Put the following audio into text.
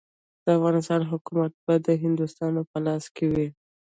د افغانستان حکومت به د هندوستانیانو په لاس کې وي.